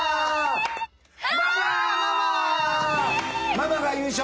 ママが優勝！